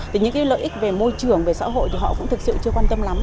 thì những cái lợi ích về môi trường về xã hội thì họ cũng thực sự chưa quan tâm lắm